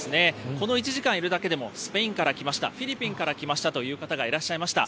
この１時間いるだけでも、スペインから来ました、フィリピンから来ましたという方がいらっしゃいました。